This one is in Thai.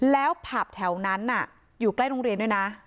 แล้วผับแถวนั้นอยู่ใกล้โรงเรียนด้วยนะ